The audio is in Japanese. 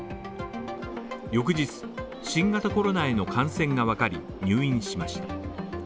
翌日、新型コロナへの感染がわかり入院しました。